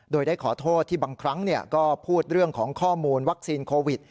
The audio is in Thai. โดยได้ขอโทษที่บางครั้งก็พูดเรื่องของข้อมูลวัคซีนโควิด